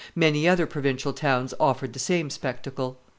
] Many other provincial towns offered the same spectacle.